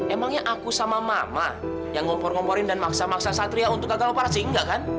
emangnya aku sama mama yang ngompor ngomporin dan maksa maksa satria untuk gagal operasi enggak kan